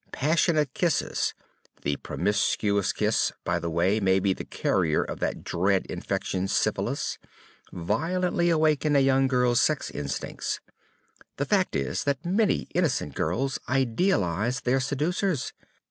Passionate kisses the promiscuous kiss, by the way, may be the carrier of that dread infection, syphilis violently awaken a young girl's sex instincts. The fact is that many innocent girls idealize their seducers.